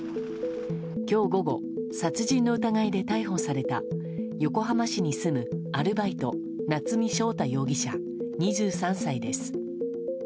今日午後殺人の疑いで逮捕された横浜市に住む、アルバイト夏見翔太容疑者、２３歳です。